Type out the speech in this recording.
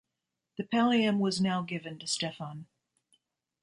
The pallium was now given to Stefan.